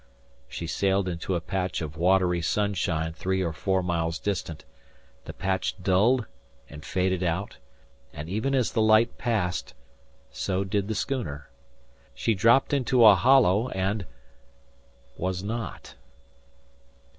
She sailed into a patch of watery sunshine three or four miles distant. The patch dulled and faded out, and even as the light passed so did the schooner. She dropped into a hollow and was not.